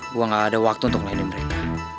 gue gak ada waktu atau untuk ngelayanin mereka